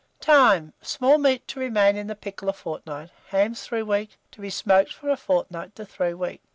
Time Small meat to remain in the pickle a fortnight, hams 3 weeks; to be smoked from a fortnight to 3 weeks.